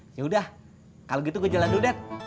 ya udah kalo gitu gua jalan dulu dad